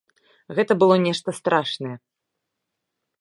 Гэта было нешта страшнае.